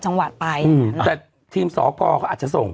จังหวัดไปอืมแต่ทีมสอกรเขาอาจจะส่ง